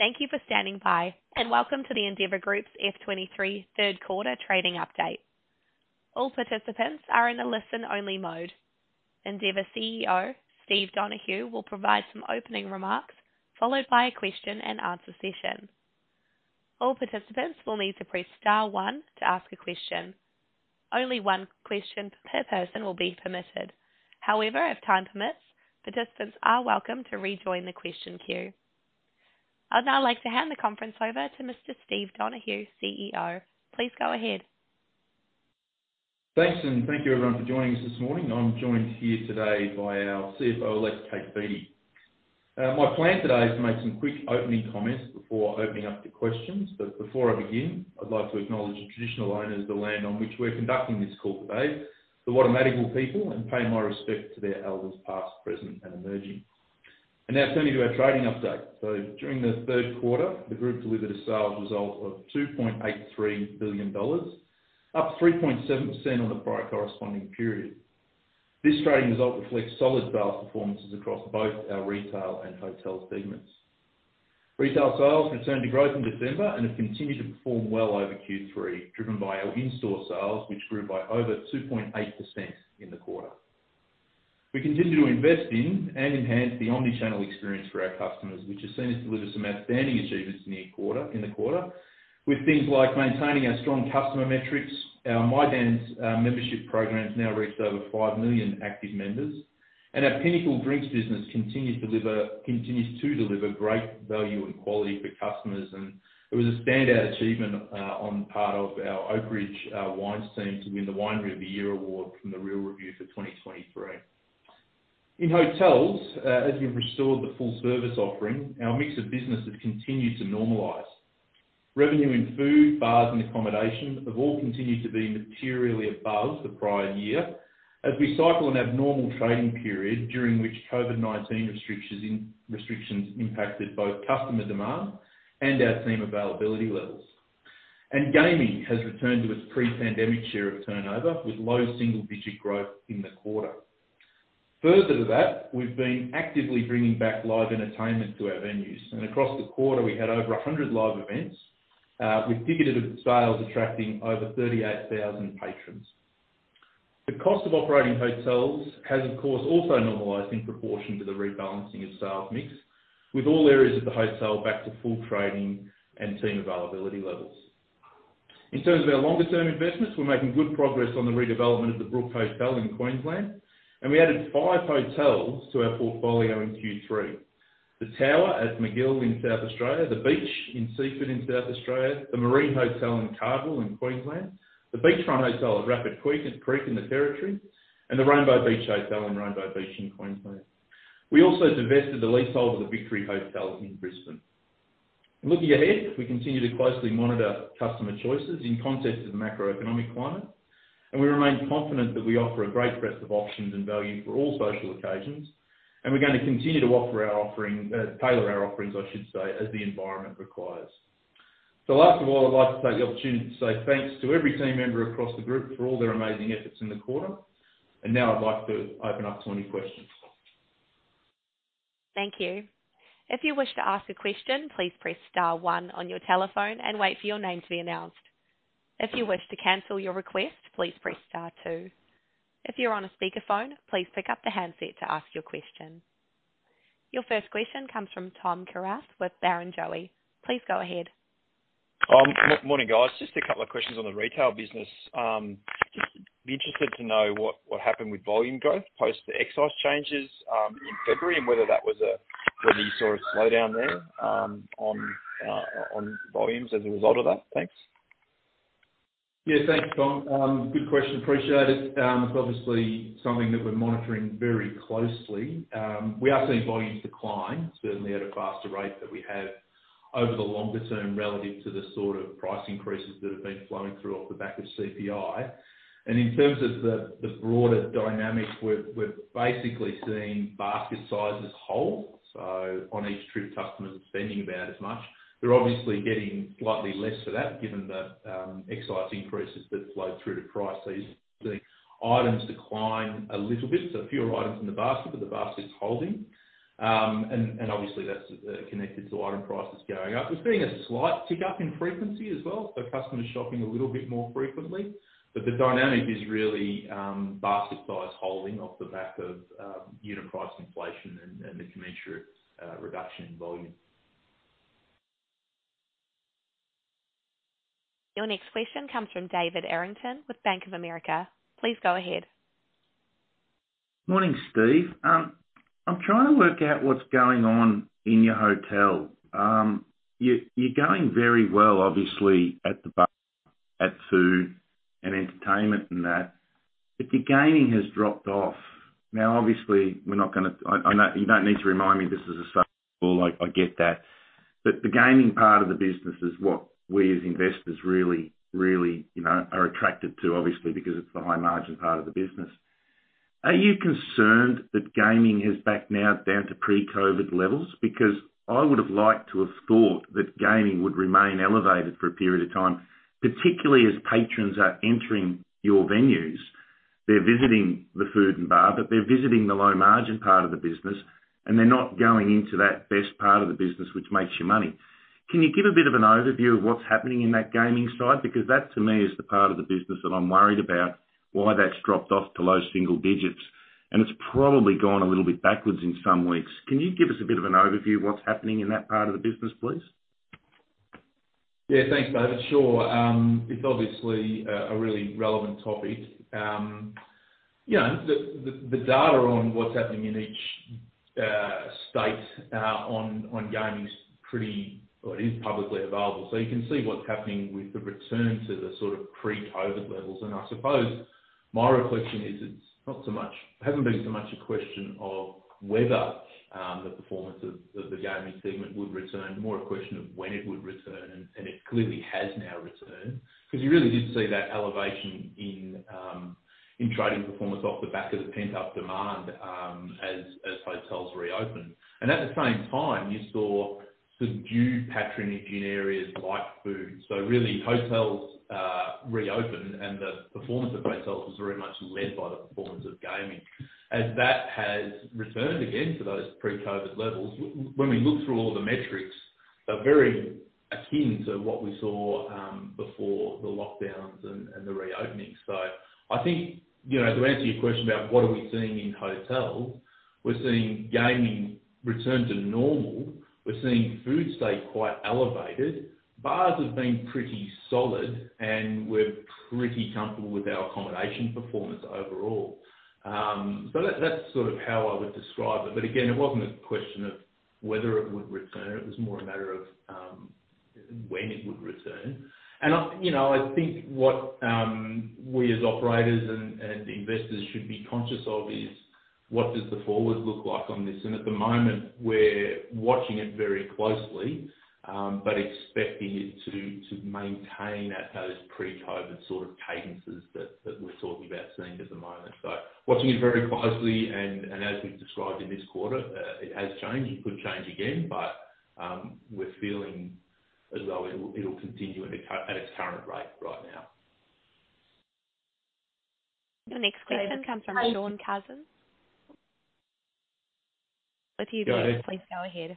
Thank you for standing by, and welcome to the Endeavour Group's F23 third quarter trading update. All participants are in a listen-only mode. Endeavour CEO, Steve Donohue, will provide some opening remarks, followed by a question and answer session. All participants will need to press star one to ask a question. Only one question per person will be permitted. However, if time permits, participants are welcome to rejoin the question queue. I'd now like to hand the conference over to Mr. Steve Donohue, CEO. Please go ahead. Thanks. Thank you everyone for joining us this morning. I'm joined here today by our CFO elect, Kate Beattie. My plan today is to make some quick opening comments before opening up to questions. Before I begin, I'd like to acknowledge the traditional owners of the land on which we're conducting this call today, the Wurundjeri people, and pay my respect to their elders, past, present, and emerging. Now turning to our trading update. During the third quarter, the Group delivered a sales result of AUD 2.83 billion, up 3.7% on the prior corresponding period. This trading result reflects solid sales performances across both our retail and hotel segments. Retail sales returned to growth in December and have continued to perform well over Q3, driven by our in-store sales, which grew by over 2.8% in the quarter. We continue to invest in and enhance the omni-channel experience for our customers, which has seen us deliver some outstanding achievements in the quarter, with things like maintaining our strong customer metrics. Our My Dan's membership program has now reached over 5 million active members, and our Pinnacle Drinks business continues to deliver great value and quality for customers. It was a standout achievement on part of our Oakridge Wines team to win the Winery of the Year award from The Real Review for 2023. In hotels, as we've restored the full service offering, our mix of business has continued to normalize. Revenue in food, bars, and accommodation have all continued to be materially above the prior year as we cycle an abnormal trading period during which COVID-19 restrictions impacted both customer demand and our team availability levels. Gaming has returned to its pre-pandemic share of turnover with low single digit growth in the quarter. Further to that, we've been actively bringing back live entertainment to our venues, and across the quarter we had over 100 live events, with ticketed sales attracting over 38,000 patrons. The cost of operating hotels has of course also normalized in proportion to the rebalancing of sales mix, with all areas of the hotel back to full trading and team availability levels. In terms of our longer term investments, we're making good progress on the redevelopment of the Brook Hotel in Queensland, and we added five hotels to our portfolio in Q3. The Tower at Magill in South Australia, The Beach in Seaford in South Australia, The Marine Hotel in Cardwell in Queensland, The Beachfront Hotel at Rapid Creek in the territory, and the Rainbow Beach Hotel in Rainbow Beach in Queensland. We also divested the leasehold of the Victory Hotel in Brisbane. Looking ahead, we continue to closely monitor customer choices in context of the macroeconomic climate. We remain confident that we offer a great breadth of options and value for all social occasions. We're gonna continue to tailor our offerings, I should say, as the environment requires. Last of all, I'd like to take the opportunity to say thanks to every team member across the group for all their amazing efforts in the quarter. Now I'd like to open up to any questions. Thank you. If you wish to ask a question, please press star one on your telephone and wait for your name to be announced. If you wish to cancel your request, please press star two. If you're on a speaker phone, please pick up the handset to ask your question. Your first question comes from Tom Kierath with Barrenjoey. Please go ahead. Morning, guys. Just a couple of questions on the retail business. Just be interested to know what happened with volume growth post the excise changes, in February and whether you saw a slowdown there on volumes as a result of that? Thanks. Yeah, thanks, Tom. Good question. Appreciate it. It's obviously something that we're monitoring very closely. We are seeing volumes decline, certainly at a faster rate than we have over the longer term relative to the sort of price increases that have been flowing through off the back of CPI. In terms of the broader dynamics, we're basically seeing basket size is whole. On each trip, customers are spending about as much. They're obviously getting slightly less for that, given the excise increases that flow through to price these. The items decline a little bit, so fewer items in the basket, but the basket is holding. And obviously, that's connected to item prices going up. We're seeing a slight tick-up in frequency as well, so customers shopping a little bit more frequently. The dynamic is really, basket size holding off the back of unit price inflation and the commensurate reduction in volume. Your next question comes from David Errington with Bank of America. Please go ahead. Morning, Steve. I'm trying to work out what's going on in your hotel. You're going very well, obviously, at the bar, at food and entertainment and that. Your gaming has dropped off. Now, obviously, I know you don't need to remind me. I get that. The gaming part of the business is what we as investors really, you know, are attracted to, obviously, because it's the high margin part of the business. Are you concerned that gaming is back now down to pre-COVID levels? I would have liked to have thought that gaming would remain elevated for a period of time, particularly as patrons are entering your venues. They're visiting the food and bar, but they're visiting the low margin part of the business, and they're not going into that best part of the business which makes you money. Can you give a bit of an overview of what's happening in that gaming side? That to me, is the part of the business that I'm worried about, why that's dropped off to low single digits, and it's probably gone a little bit backwards in some weeks. Can you give us a bit of an overview of what's happening in that part of the business, please? Yeah, thanks, David. Sure. It's obviously a really relevant topic. You know, the data on what's happening in each state on gaming is publicly available. You can see what's happening with the return to the sort of pre-COVID levels. I suppose my reflection is it hasn't been so much a question of whether the performance of the gaming segment would return, more a question of when it would return, and it clearly has now returned. 'Cause you really did see that elevation in trading performance off the back of the pent-up demand as hotels reopened. At the same time, you saw subdued patronage in areas like food. Really, hotels reopened, and the performance of hotels was very much led by the performance of gaming. As that has returned again to those pre-COVID levels, when we look through all the metrics, they're very akin to what we saw before the lockdowns and the reopenings. I think, you know, to answer your question about what are we seeing in hotels, we're seeing gaming return to normal. We're seeing food stay quite elevated. Bars have been pretty solid, and we're pretty comfortable with our accommodation performance overall. That's sort of how I would describe it. Again, it wasn't a question of whether it would return. It was more a matter of when it would return. I, you know, I think what we as operators and investors should be conscious of is, what does the forward look like on this? At the moment, we're watching it very closely, but expecting it to maintain at those pre-COVID sort of cadences that we're talking about seeing at the moment. Watching it very closely and as we've described in this quarter, it has changed. It could change again, but we're feeling as though it'll continue at its current rate right now. Your next question comes from Shaun Cousins. Go ahead. Please go ahead.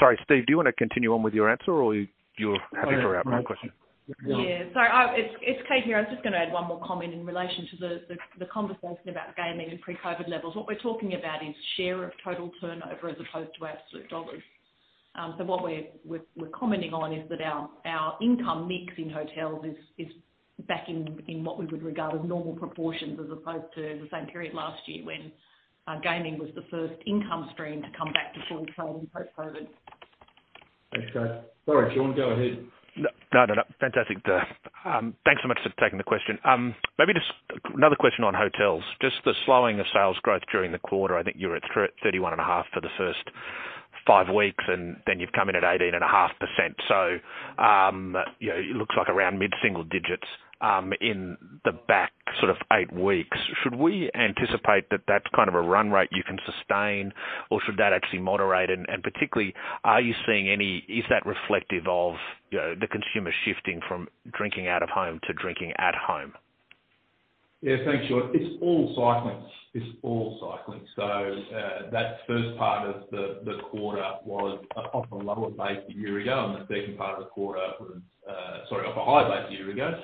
Sorry, Steve, do you wanna continue on with your answer or you're happy for our question? No. Yeah. Sorry, it's Kate here. I was just gonna add one more comment in relation to the conversation about gaming and pre-COVID levels. What we're talking about is share of total turnover as opposed to absolute dollars. What we're commenting on is that our income mix in hotels is back in what we would regard as normal proportions, as opposed to the same period last year when gaming was the first income stream to come back to full trade post-COVID. Thanks, Kate. Sorry, Shaun, go ahead. No, no. Fantastic, thanks so much for taking the question. Maybe just another question on hotels, just the slowing of sales growth during the quarter. I think you're at 31.5 for the first five weeks, and then you've come in at 18.5%. You know, it looks like around mid-single digits in the back sort of eight weeks. Should we anticipate that that's kind of a run rate you can sustain, or should that actually moderate? Particularly, is that reflective of, you know, the consumer shifting from drinking out of home to drinking at home? Yeah, thanks, Shaun. It's all cycling. It's all cycling. That first part of the quarter was off a lower base a year ago, and the second part of the quarter was sorry, off a high base a year ago.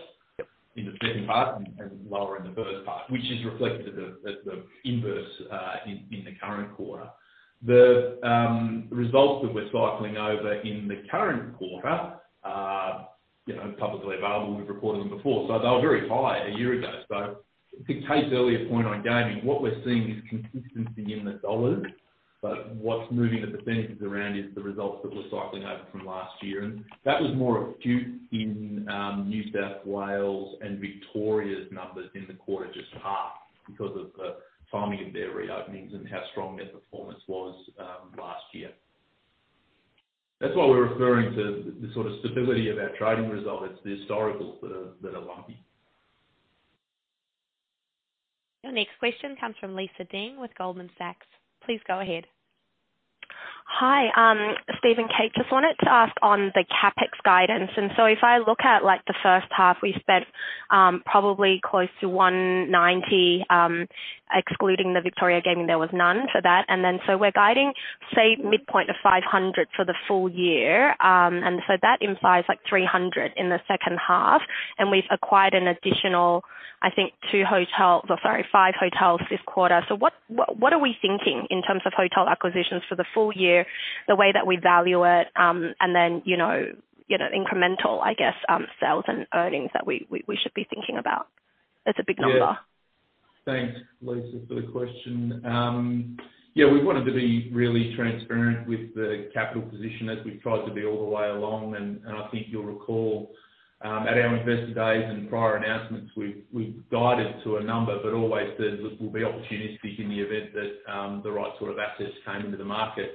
In the second part and lower in the first part, which is reflected at the inverse in the current quarter. The results that we're cycling over in the current quarter are, you know, publicly available. We've reported them before. They were very high a year ago. To Kate's earlier point on gaming, what we're seeing is consistency in the dollars. What's moving the percentages around is the results that we're cycling over from last year. That was more acute in New South Wales and Victoria's numbers in the quarter just passed because of the timing of their reopenings and how strong their performance was last year. That's why we're referring to the sort of stability of our trading result. It's the historical that are, that are lumpy. Your next question comes from Lisa Deng with Goldman Sachs. Please go ahead. Hi, Steve and Kate. Just wanted to ask on the CapEx guidance. If I look at, like, the first half, we spent probably close to 190 million, excluding the Victoria gaming, there was none for that. We're guiding, say, midpoint of 500 million for the full year. That implies, like, 300 million in the second half, and we've acquired an additional, I think, five hotels this quarter. What are we thinking in terms of hotel acquisitions for the full year, the way that we value it, and then, you know, incremental, I guess, sales and earnings that we should be thinking about? That's a big number. Yeah. Thanks, Lisa, for the question. Yeah, we wanted to be really transparent with the capital position as we've tried to be all the way along. I think you'll recall, at our investor days and prior announcements, we've guided to a number but always said there will be opportunities in the event that the right sort of assets came into the market.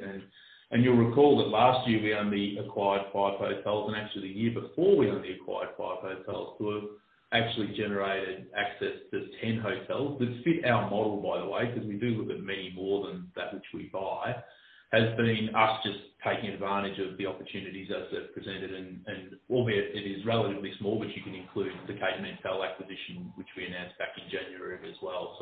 You'll recall that last year we only acquired five hotels, and actually the year before, we only acquired five hotels. We've actually generated access to 10 hotels that fit our model, by the way, 'cause we do look at many more than that which we buy, has been us just taking advantage of the opportunities as they've presented. Albeit it is relatively small, but you can include the Cape Mentelle acquisition, which we announced back in January as well.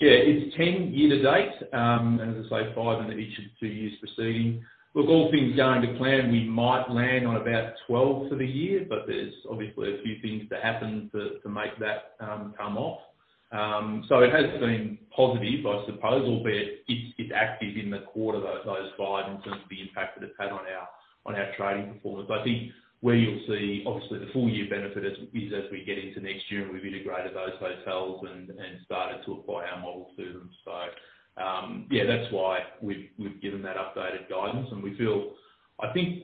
Yeah, it's 10 year to date. As I say, five in each of the two years preceeding. Look, all things going to plan, we might land on about 12 for the year, but there's obviously a few things to happen to make that come off. It has been positive, I suppose, albeit it's active in the quarter, those five, in terms of the impact that it's had on our trading performance. I think where you'll see, obviously the full year benefit is as we get into next year and we've integrated those hotels and started to apply our model to them. Yeah, that's why we've given that updated guidance. We feel, I think,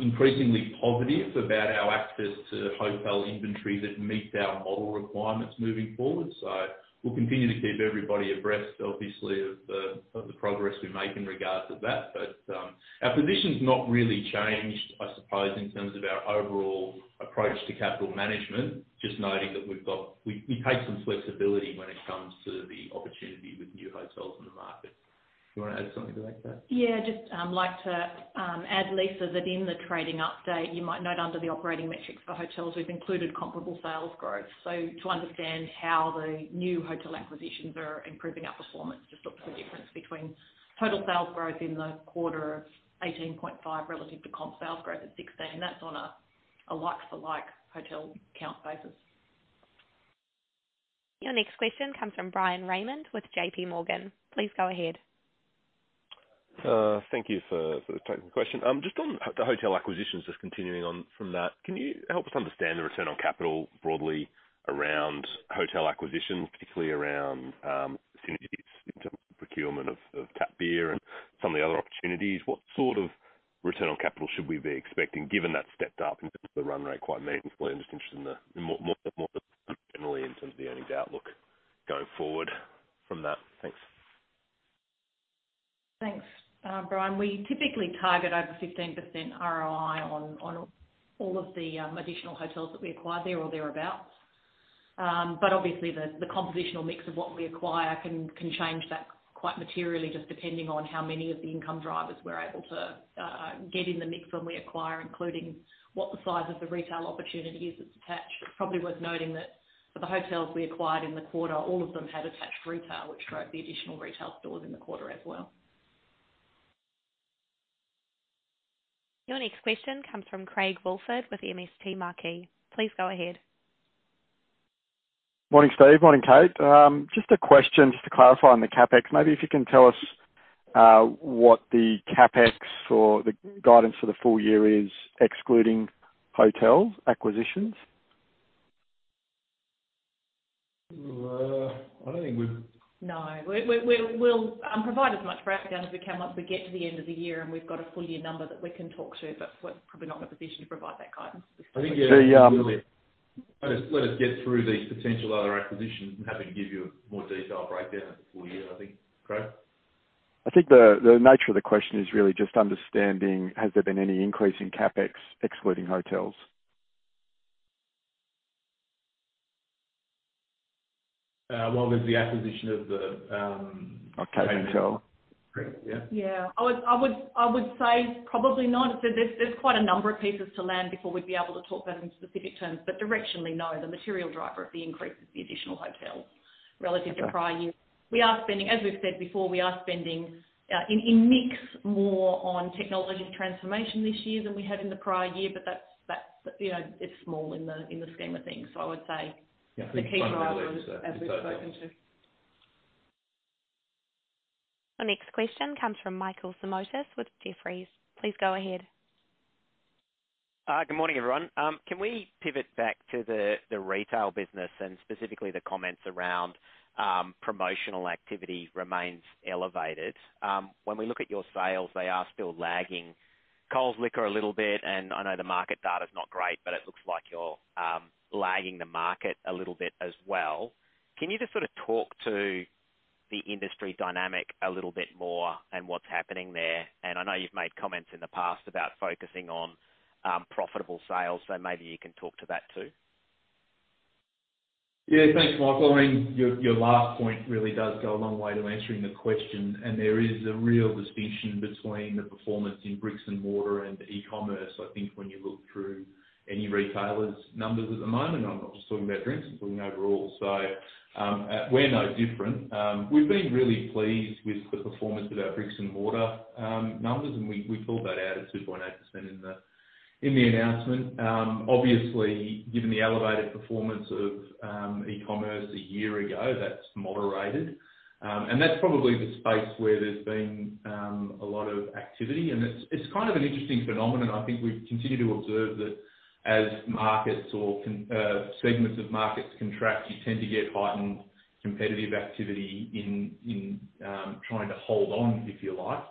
increasingly positive about our access to hotel inventory that meets our model requirements moving forward. We'll continue to keep everybody abreast, obviously, of the progress we make in regards to that. Our position's not really changed, I suppose, in terms of our overall approach to capital management. Just noting that we've got. We take some flexibility when it comes to the opportunity with new hotels in the market. Do you wanna add something to that, Kate? Yeah, just like to add, Lisa, that in the trading update, you might note under the operating metrics for hotels, we've included comparable sales growth. To understand how the new hotel acquisitions are improving our performance, just look for the difference between total sales growth in the quarter of 18.5% relative to comp sales growth at 16%. That's on a like for like hotel count basis. Your next question comes from Bryan Raymond with JPMorgan. Please go ahead. Thank you for taking the question. Just on the hotel acquisitions, just continuing on from that, can you help us understand the return on capital broadly around hotel acquisitions, particularly around synergies in terms of procurement of tap beer and some of the other opportunities? What sort of return on capital should we be expecting given that stepped up in terms of the run rate quite meaningfully? I'm just interested in the more generally in terms of the earnings outlook going forward from that. Thanks. Thanks, Bryan. We typically target over 15% ROI on all of the additional hotels that we acquire there or thereabout. Obviously the compositional mix of what we acquire can change that quite materially, just depending on how many of the income drivers we're able to get in the mix when we acquire, including what the size of the retail opportunity is that's attached. It's probably worth noting that for the hotels we acquired in the quarter, all of them had attached retail, which drove the additional retail stores in the quarter as well. Your next question comes from Craig Woolford with MST Marquee. Please go ahead. Morning, Steve. Morning, Kate. Just a question just to clarify on the CapEx. Maybe if you can tell us, what the CapEx or the guidance for the full year is excluding hotels acquisitions? I don't think. No. We'll provide as much breakdown as we can once we get to the end of the year, and we've got a full year number that we can talk to, but we're probably not in a position to provide that guidance. I think. The. Let us get through these potential other acquisitions. I'm happy to give you a more detailed breakdown of the full year, I think, Craig. I think the nature of the question is really just understanding has there been any increase in CapEx excluding hotels? well, there's the acquisition of the Okay. Yeah. I would say probably not. There's quite a number of pieces to land before we'd be able to talk about it in specific terms, but directionally, no. The material driver of the increase is the additional hotels relative to prior years. We are spending, as we've said before, we are spending in mix more on technology transformation this year than we have in the prior year, but that's, you know, it's small in the scheme of things. I would say. Yeah. The key driver is, as we've spoken to. The next question comes from Michael Simotas with Jefferies. Please go ahead. Good morning, everyone. Can we pivot back to the retail business and specifically the comments around promotional activity remains elevated? When we look at your sales, they are still lagging Coles Liquor a little bit, and I know the market data's not great, but it looks like you're lagging the market a little bit as well. Can you just sorta talk to the industry dynamic a little bit more and what's happening there? I know you've made comments in the past about focusing on profitable sales, so maybe you can talk to that too. Yeah. Thanks, Michael. I mean, your last point really does go a long way to answering the question, and there is a real distinction between the performance in bricks and mortar and e-commerce, I think when you look through any retailer's numbers at the moment. I'm not just talking about drinks, I'm talking overall. We're no different. We've been really pleased with the performance of our bricks and mortar numbers, and we called that out at 2.8% in the announcement. Obviously, given the elevated performance of e-commerce a year ago, that's moderated. That's probably the space where there's been a lot of activity, and it's kind of an interesting phenomenon. I think we continue to observe that as markets or segments of markets contract, you tend to get heightened competitive activity in trying to hold on, if you like.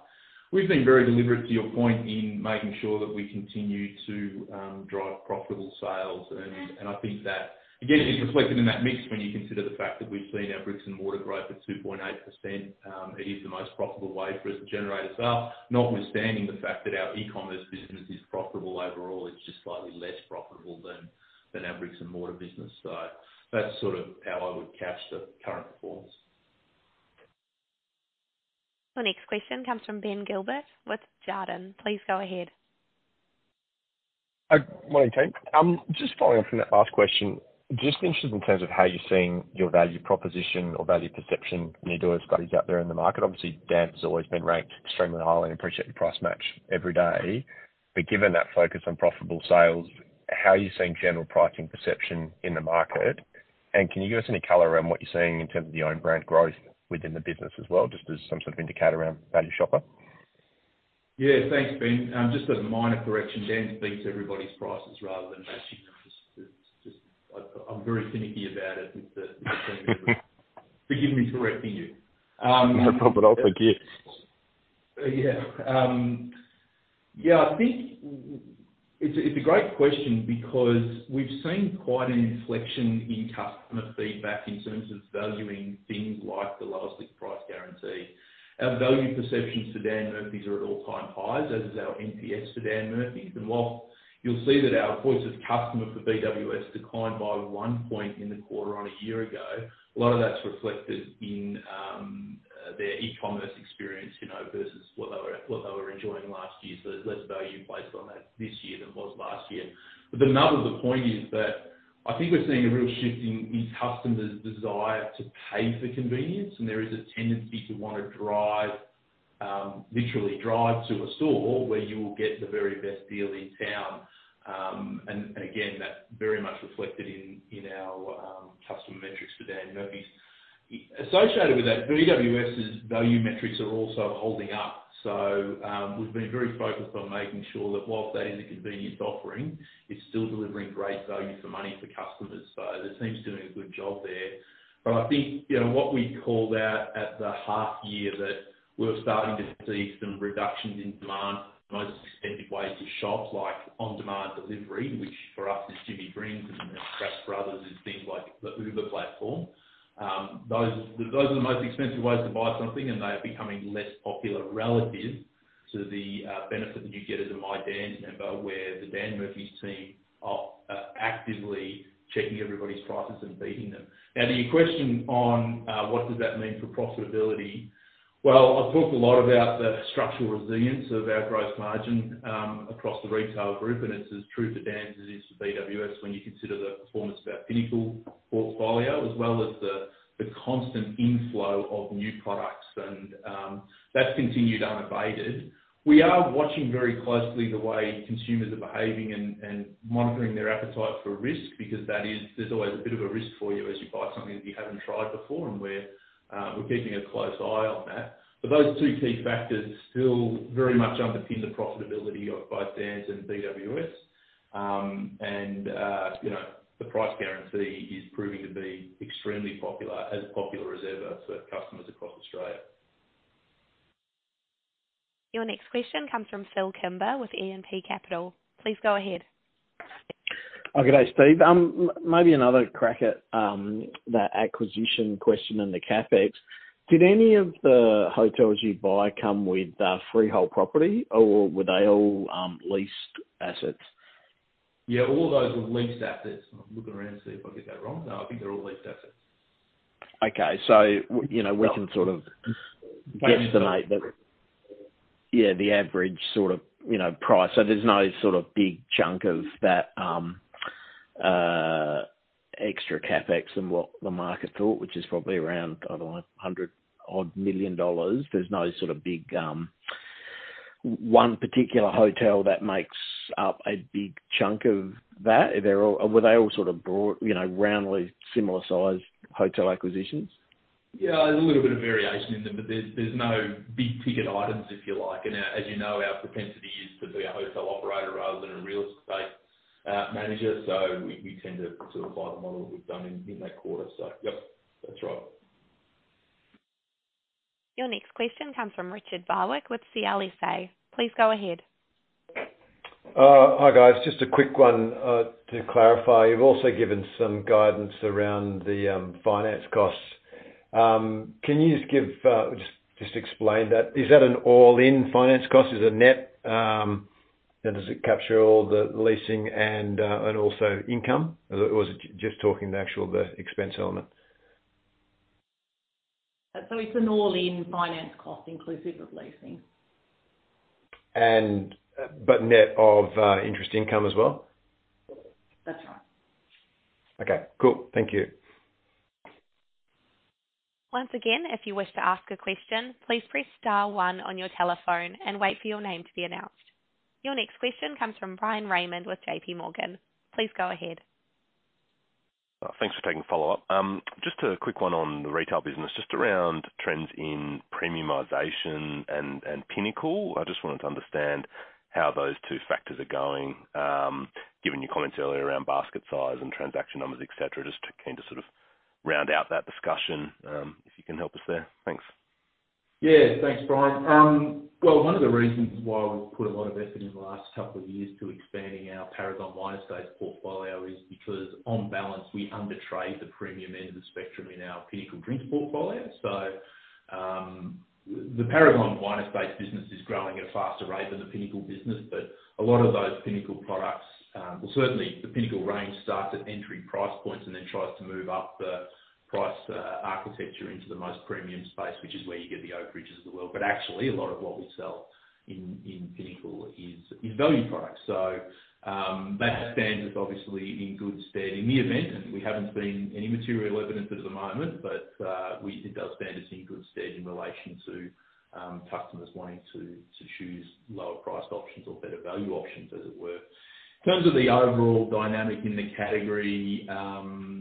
We've been very deliberate, to your point, in making sure that we continue to drive profitable sales. I think that, again, is reflected in that mix when you consider the fact that we've seen our bricks and mortar growth at 2.8%. It is the most profitable way for us to generate as well, notwithstanding the fact that our e-commerce business is profitable overall. It's just slightly less profitable than our bricks and mortar business. That's sort of how I would catch the current performance. The next question comes from Ben Gilbert with Jarden. Please go ahead. Morning, team. Just following up from that last question. Just interested in terms of how you're seeing your value proposition or value perception when you do it, as guided out there in the market. Obviously, Dan's always been ranked extremely high and appreciate the price match every day. Given that focus on profitable sales, how are you seeing general pricing perception in the market? Can you give us any color around what you're seeing in terms of the own brand growth within the business as well, just as some sort of indicator around value shopper? Yeah, thanks, Ben. Just as a minor correction, Dan beats everybody's prices rather than matching them. Just, I'm very finicky about it. Forgive me for correcting you. No problem. I forgive. Yeah. Yeah, I think It's a great question because we've seen quite an inflection in customer feedback in terms of valuing things like the lowest price guarantee. Our value perceptions for Dan Murphy's are at all-time highs, as is our NPS for Dan Murphy's. While you'll see that our voice of customer for BWS declined by 1 point in the quarter on a year ago, a lot of that's reflected in their e-commerce experience, you know, versus what they were enjoying last year. There's less value placed on that this year than was last year. The nub of the point is that I think we're seeing a real shift in customers' desire to pay for convenience, and there is a tendency to wanna drive, literally drive to a store where you will get the very best deal in town. Again, that's very much reflected in our customer metrics for Dan Murphy's. Associated with that, BWS' value metrics are also holding up. We've been very focused on making sure that whilst that is a convenient offering, it's still delivering great value for money for customers. The team's doing a good job there. I think, you know, what we called out at the half year that we're starting to see some reductions in demand, the most expensive ways to shop, like on-demand delivery, which for us is Jimmy Brings and for Brothers is things like the Uber platform. Those are the most expensive ways to buy something, and they're becoming less popular relative to the benefit that you get as a My Dan member, where the Dan Murphy's team are actively checking everybody's prices and beating them. Now, to your question on what does that mean for profitability, well, I've talked a lot about the structural resilience of our gross margin across the retail group, and it's as true for Dan's as it is for BWS when you consider the performance of our Pinnacle portfolio, as well as the constant inflow of new products and that's continued unabated. We are watching very closely the way consumers are behaving and monitoring their appetite for risk because that is... there's always a bit of a risk for you as you buy something that you haven't tried before, and we're keeping a close eye on that. Those two key factors still very much underpin the profitability of both Dan's and BWS. You know, the price guarantee is proving to be extremely popular, as popular as ever for customers across Australia. Your next question comes from Phil Kimber with E&P Capital. Please go ahead. Good day, Steve. Maybe another crack at that acquisition question and the CapEx. Did any of the hotels you buy come with freehold property or were they all leased assets? Yeah, all those were leased assets. I'm looking around to see if I get that wrong. No, I think they're all leased assets. You know, we can sort of guesstimate that, yeah, the average sort of, you know, price. There's no sort of big chunk of that extra CapEx than what the market thought, which is probably around, I don't know, 100 odd million. There's no sort of big one particular hotel that makes up a big chunk of that? Were they all sort of broad, you know, roundly similar-sized hotel acquisitions? Yeah, there's a little bit of variation in them, but there's no big ticket items, if you like. As you know, our propensity is to be a hotel operator rather than a real estate manager. We tend to sort of follow the model that we've done in that quarter. Yep, that's right. Your next question comes from Richard Barwick with CLSA. Please go ahead. Hi, guys. Just a quick one to clarify. You've also given some guidance around the finance costs. Can you just explain that? Is that an all-in finance cost? Is it net? Does it capture all the leasing and also income? Or was it just talking the actual, the expense element? It's an all-in finance cost inclusive of leasing. But net of, interest income as well? That's right. Okay, cool. Thank you. Once again, if you wish to ask a question, please press star one on your telephone and wait for your name to be announced. Your next question comes from Bryan Raymond with JPMorgan. Please go ahead. Thanks for taking the follow-up. Just a quick one on the retail business, just around trends in premiumization and Pinnacle. I just wanted to understand how those two factors are going, given your comments earlier around basket size and transaction numbers, et cetera. Just keen to sort of round out that discussion, if you can help us there. Thanks. Yeah. Thanks, Bryan. Well, one of the reasons why we've put a lot of effort in the last couple of years to expanding our Paragon Wine Estates portfolio is because on balance, we under-trade the premium end of the spectrum in our Pinnacle Drinks portfolio. The Paragon-based business is growing at a faster rate than the Pinnacle business. A lot of those Pinnacle products, well, certainly the Pinnacle range starts at entry price points and then tries to move up the price architecture into the most premium space, which is where you get the Oakridge of the world. Actually a lot of what we sell in Pinnacle is value products. That stands us obviously in good stead in the event, and we haven't seen any material evidence of it at the moment, but it does stand us in good stead in relation to customers wanting to choose lower priced options or better value options, as it were. In terms of the overall dynamic in the category,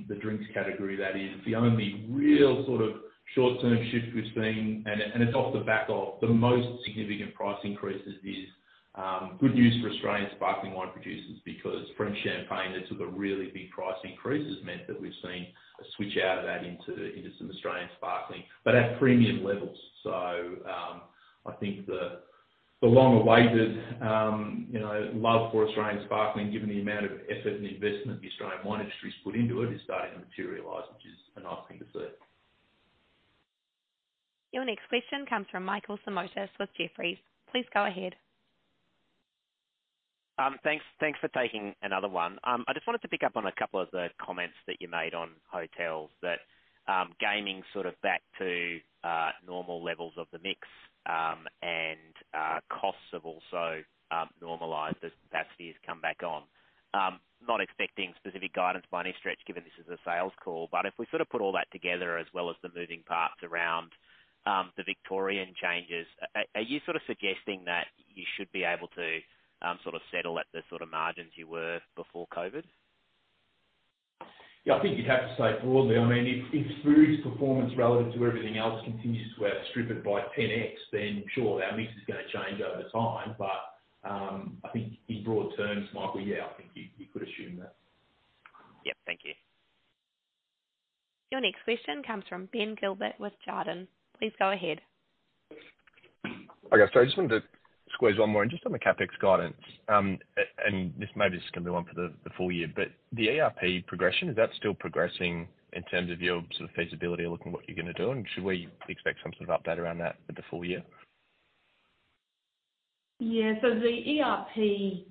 the drinks category that is, the only real sort of short-term shift we've seen, and it's off the back of the most significant price increases is good news for Australian sparkling wine producers, because French champagne that took a really big price increase has meant that we've seen a switch out of that into some Australian sparkling. At premium levels. I think the long-awaited, you know, love for Australian sparkling, given the amount of effort and investment the Australian wine industry's put into it, is starting to materialize, which is a nice thing to see. Your next question comes from Michael Simotas with Jefferies. Please go ahead. Thanks for taking another one. I just wanted to pick up on a couple of the comments that you made on hotels that gaming sort of back to normal levels of the mix, and costs have also normalized as capacity has come back on. Not expecting specific guidance by any stretch, given this is a sales call, but if we sort of put all that together as well as the moving parts around the Victorian changes, are you sort of suggesting that you should be able to sort of settle at the sort of margins you were before COVID-19? I think you'd have to say broadly. I mean, if food's performance relative to everything else continues to outstrip it by 10x, then sure, our mix is gonna change over time. I think in broad terms, Michael, yeah, I think you could assume that. Yep. Thank you. Your next question comes from Ben Gilbert with Jarden. Please go ahead. I just wanted to squeeze one more in. Just on the CapEx guidance, and this maybe this is gonna be one for the full year, but the ERP progression, is that still progressing in terms of your sort of feasibility of looking at what you're gonna do? Should we expect some sort of update around that for the full year? Yeah. The ERP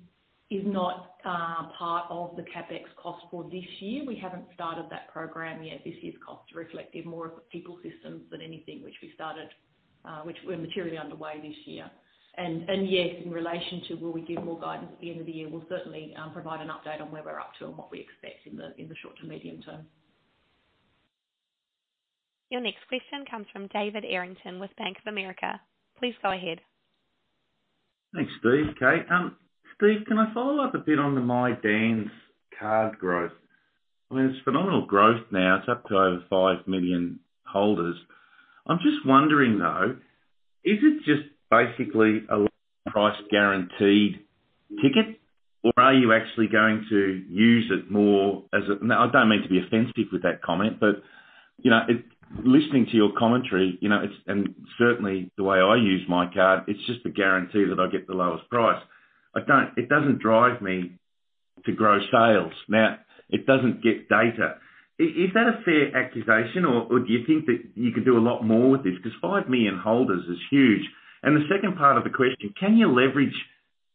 is not part of the CapEx cost for this year. We haven't started that program yet. This year's costs are reflective more of the people systems than anything, which we started, which we're materially underway this year. Yes, in relation to will we give more guidance at the end of the year, we'll certainly provide an update on where we're up to and what we expect in the short to medium term. Your next question comes from David Errington with Bank of America. Please go ahead. Thanks, Steve, Kate. Steve, can I follow up a bit on the My Dan's card growth? I mean, it's phenomenal growth now. It's up to over 5 million holders. I'm just wondering, though, is it just basically a price guaranteed ticket, or are you actually going to use it more as a... Now, I don't mean to be offensive with that comment, but, you know, listening to your commentary, you know, it's, and certainly the way I use my card, it's just a guarantee that I'll get the lowest price. I don't, it doesn't drive me to grow sales. Now, it doesn't get data. Is that a fair accusation or do you think that you could do a lot more with this? 'Cause 5 million holders is huge. The second part of the question, can you leverage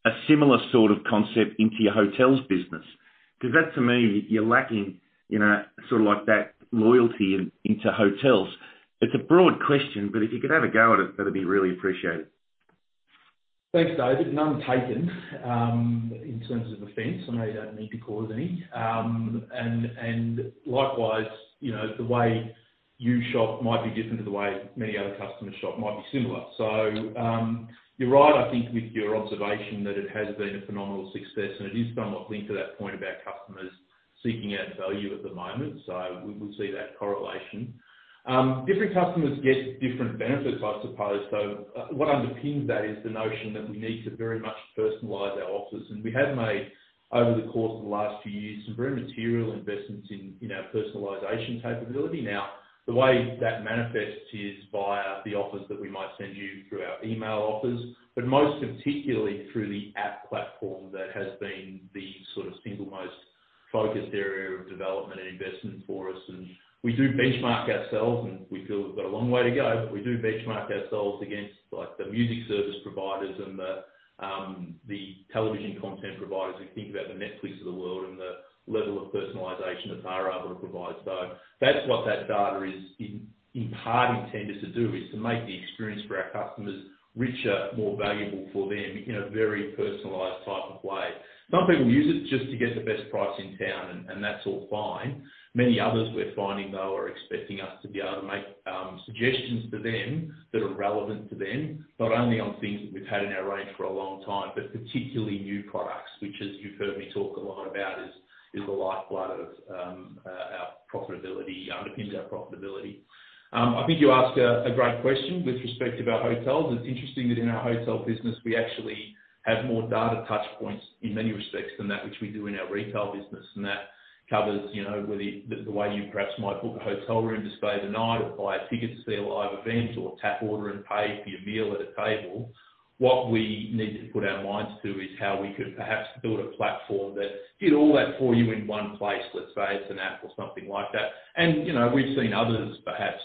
a similar sort of concept into your hotels business? That to me, you're lacking, you know, sort of like that loyalty in, into hotels. It's a broad question, but if you could have a go at it, that'd be really appreciated. Thanks, David. None taken, in terms of offense. I know you don't mean to cause any. Likewise, you know, the way you shop might be different to the way many other customers shop, might be similar. You're right, I think, with your observation that it has been a phenomenal success and it is somewhat linked to that point about customers seeking out value at the moment. We would see that correlation. Different customers get different benefits, I suppose, so, what underpins that is the notion that we need to very much personalize our offers. We have made, over the course of the last few years, some very material investments in our personalization capability. The way that manifests is via the offers that we might send you through our email offers, but most particularly through the app platform that has been the sort of single most focused area of development and investment for us. We do benchmark ourselves and we feel we've got a long way to go, but we do benchmark ourselves against, like, the music service providers and the television content providers. We think about the Netflix of the world and the level of personalization that they're able to provide. That's what that data is in part intended to do, is to make the experience for our customers richer, more valuable for them in a very personalized type of way. Some people use it just to get the best price in town, and that's all fine. Many others we're finding, though, are expecting us to be able to make suggestions to them that are relevant to them, not only on things that we've had in our range for a long time, but particularly new products, which as you've heard me talk a lot about, is the lifeblood of our profitability, underpins our profitability. I think you ask a great question with respect to our hotels. It's interesting that in our hotel business we actually have more data touchpoints in many respects than that which we do in our retail business, and that covers, you know, whether, the way you perhaps might book a hotel room to stay the night or buy a ticket to see a live event or tap order and pay for your meal at a table. What we need to put our minds to is how we could perhaps build a platform that did all that for you in one place, let's say it's an app or something like that. You know, we've seen others perhaps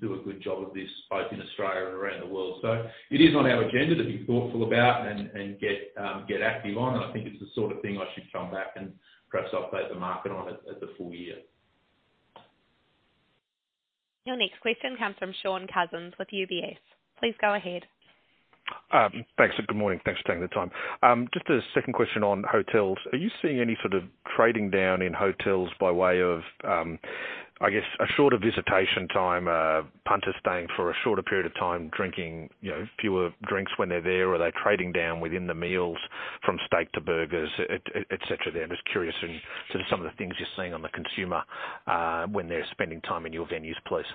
do a good job of this, both in Australia and around the world. It is on our agenda to be thoughtful about and get active on. I think it's the sort of thing I should come back and perhaps update the market on it at the full year. Your next question comes from Shaun Cousins with UBS. Please go ahead. Thanks. Good morning. Thanks for taking the time. Just a second question on hotels. Are you seeing any sort of trading down in hotels by way of, I guess, a shorter visitation time, punters staying for a shorter period of time drinking, you know, fewer drinks when they're there? Or are they trading down within the meals from steak to burgers, et cetera? I'm just curious in sort of some of the things you're seeing on the consumer, when they're spending time in your venues, please.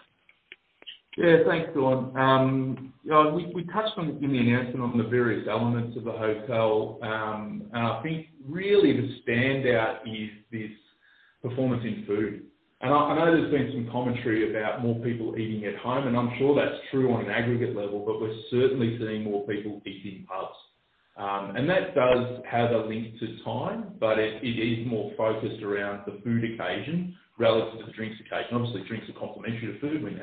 Yeah, thanks, Shaun Cousins. Yeah, we touched on, in the announcement on the various elements of the hotel. I think really the standout is this performance in food. I know there's been some commentary about more people eating at home, and I'm sure that's true on an aggregate level, but we're certainly seeing more people eat in pubs. That does have a link to time, but it is more focused around the food occasion relative to the drinks occasion. Obviously, drinks are complimentary to food when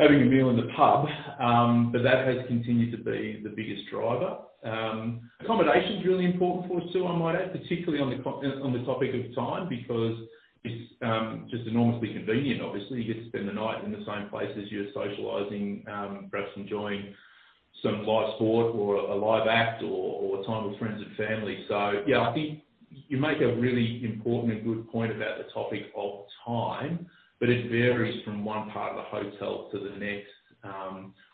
having a meal in the pub, but that has continued to be the biggest driver. Accommodation is really important for us too, I might add, particularly on the topic of time, because it's just enormously convenient, obviously. You get to spend the night in the same place as you're socializing, perhaps enjoying some live sport or a live act or time with friends and family. Yeah, I think you make a really important and good point about the topic of time, but it varies from one part of the hotel to the next.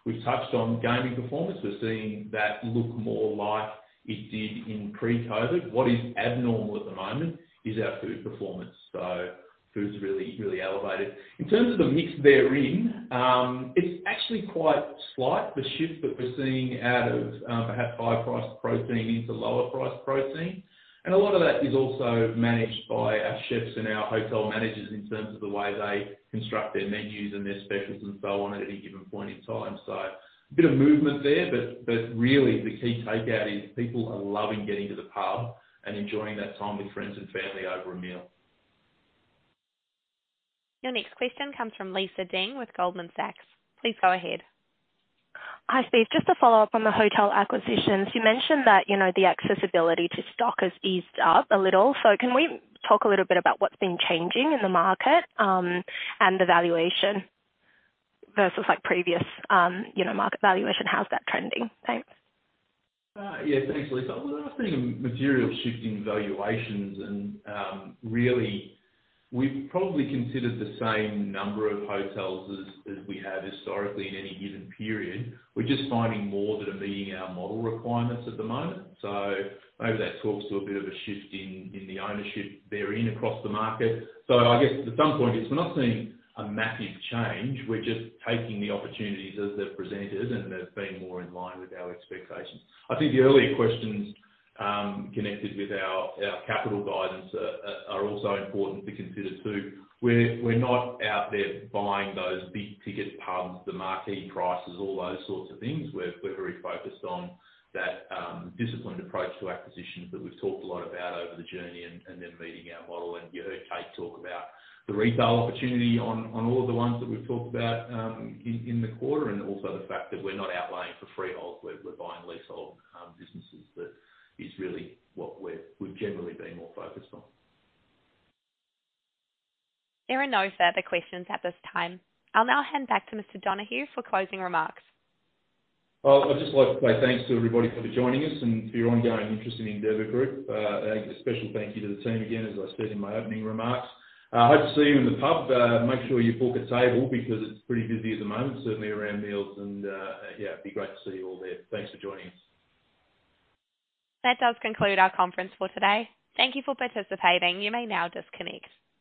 We've touched on gaming performance. We're seeing that look more like it did in pre-COVID. What is abnormal at the moment is our food performance, so food's really, really elevated. In terms of the mix therein, it's actually quite slight, the shift that we're seeing out of perhaps higher priced protein into lower priced protein. A lot of that is also managed by our chefs and our hotel managers in terms of the way they construct their menus and their specials and so on at any given point in time. A bit of movement there, but really the key takeout is people are loving getting to the pub and enjoying that time with friends and family over a meal. Your next question comes from Lisa Deng with Goldman Sachs. Please go ahead. Hi, Steve. Just to follow up on the hotel acquisitions, you mentioned that, you know, the accessibility to stock has eased up a little. Can we talk a little bit about what's been changing in the market, and the valuation versus like previous, you know, market valuation? How's that trending? Thanks. Yeah. Thanks, Lisa. We're not seeing a material shift in valuations and really we've probably considered the same number of hotels as we have historically in any given period. We're just finding more that are meeting our model requirements at the moment. Maybe that talks to a bit of a shift in the ownership therein across the market. I guess at some point it's we're not seeing a massive change. We're just taking the opportunities as they're presented and they're being more in line with our expectations. I think the earlier questions connected with our capital guidance are also important to consider too. We're not out there buying those big ticket pubs, the marquee prices, all those sorts of things. We're very focused on that disciplined approach to acquisitions that we've talked a lot about over the journey and them meeting our model. You heard Kate talk about the retail opportunity on all of the ones that we've talked about in the quarter and also the fact that we're not outlaying for freeholds, we're buying leasehold businesses. That is really what we've generally been more focused on. There are no further questions at this time. I'll now hand back to Mr. Donohue for closing remarks. Well, I'd just like to say thanks to everybody for joining us and for your ongoing interest in Endeavour Group. A special thank you to the team again, as I said in my opening remarks. I hope to see you in the pub. Make sure you book a table because it's pretty busy at the moment, certainly around meals and, yeah, it'd be great to see you all there. Thanks for joining us. That does conclude our conference for today. Thank you for participating. You may now disconnect.